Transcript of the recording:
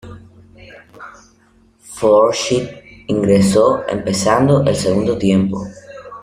Forsyth ingresó empezando el segundo tiempo.